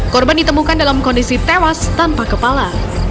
korban ditemukan dalam kondisi tewas tanpa kepala